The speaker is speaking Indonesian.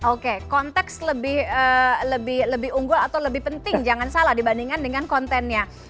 oke konteks lebih unggul atau lebih penting jangan salah dibandingkan dengan kontennya